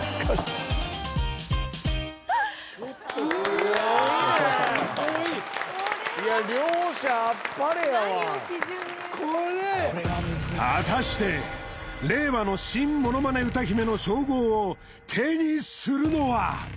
すっごいいや両者あっぱれやわ果たして令和の新モノマネ歌姫の称号を手にするのは！？